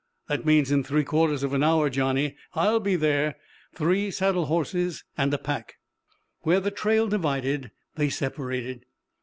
"That means in three quarters of an hour, Johnny. I'll be there. Three saddle horses and a pack." Where the trail divided they separated.